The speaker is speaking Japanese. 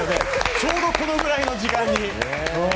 ちょうどこのぐらいの時間に。